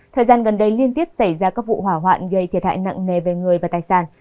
thời gian gần đây liên tiếp xảy ra các vụ hỏa hoạn gây thiệt hại nặng nề về người và tài sản